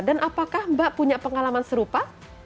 dan apakah mbak punya pengalaman serupa